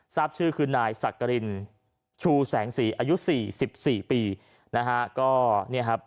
ทราบชื่อคือนายสัตว์กระรินชูแสงสี่อายุสี่สิบสี่ปี